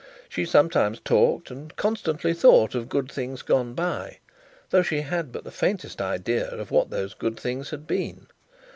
She sometimes talked and constantly thought of good things gone by, though she had but the faintest idea of what those good things had been.